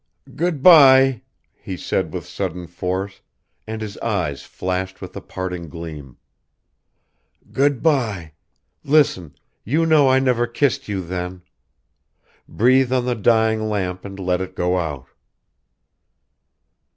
"Good by," he said with sudden force, and his eyes flashed with a parting gleam. "Good by ... Listen ... you know I never kissed you then ... Breathe on the dying lamp and let it go out."